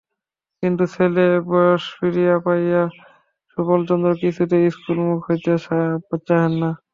কিন্তু ছেলেবয়স ফিরিয়া পাইয়া সুবলচন্দ্র কিছুতেই স্কুলমুখো হইতে চাহেন না।